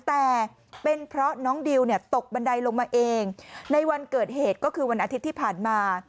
แต่เป็นเพราะน้องดิวเนี่ยตกบันไดลงมาเองในวันเกิดเหตุก็คือวันอาทิตย์ที่ผ่านมา